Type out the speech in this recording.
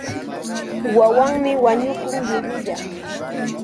Wawanmi wañukun llullulla.